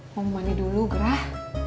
mau memani dulu gerah